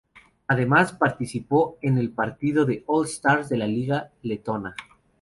Además, participó en el partido del All Star de la liga letona.